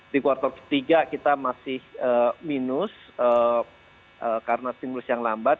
di kuartal ketiga kita masih minus karena stimulus yang lambat